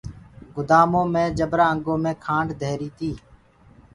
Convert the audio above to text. گُدآمآ مي جبرآ انگو مي کآنڊ دهيري تي۔